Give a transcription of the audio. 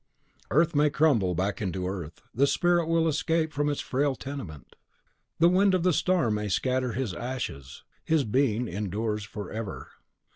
(Earth may crumble back into earth; the Spirit will still escape from its frail tenement. The wind of the storm may scatter his ashes; his being endures forever.)